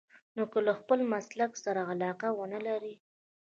نو که له خپل مسلک سره علاقه ونه لرئ.